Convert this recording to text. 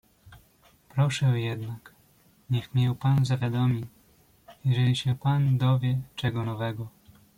"Proszę jednak, niech mię pan zawiadomi, jeżeli się p. dowie czego nowego."